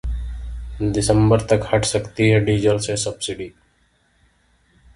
दिसंबर तक हट सकती है डीजल से सब्सिडी!